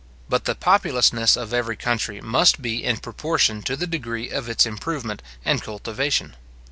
But the populousness of every country must be in proportion to the degree of its improvement and cultivation.